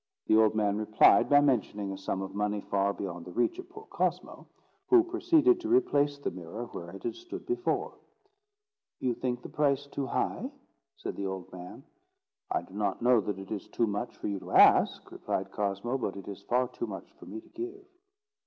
The old man replied by mentioning a sum of money far beyond the reach of poor Cosmo, who proceeded to replace the mirror where it had stood before. "You think the price too high?" said the old man. "I do not know that it is too much for you to ask," replied Cosmo; "but it is far too much for me to give."